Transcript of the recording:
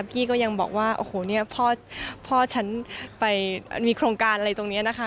พี่ก็ยังบอกว่าโอ้โหเนี่ยพ่อฉันไปมีโครงการอะไรตรงนี้นะคะ